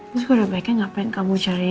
terus kalau udah baikan ngapain kamu cari